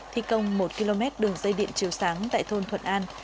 thi công một km đường dây điện chiều sáng tại thôn thuận an